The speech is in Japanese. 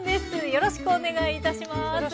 よろしくお願いします。